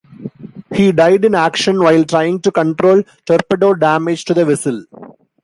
He died in action while trying to control torpedo damage to the vessel.